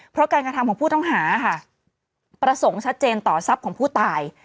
เพราะการกระทำของผู้ต้องหาค่ะประสงค์ชัดเจนต่อทรัพย์ของผู้ตาย